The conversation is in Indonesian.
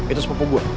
itu sepupu gue